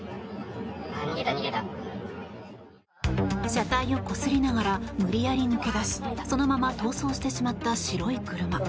車体をこすりながら無理やり抜け出しそのまま逃走してしまった白い車。